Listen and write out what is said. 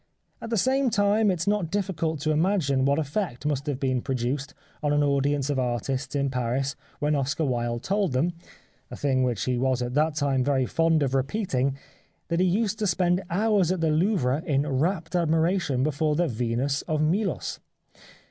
At the same time it is not difficult to imagine what effect must have been produced on an audience of artists in Paris when Oscar Wilde told them — a thing which he was at that time very fond of repeating — that he used to spend hours at the Louvre in rapt admiration before the Venus of Milos.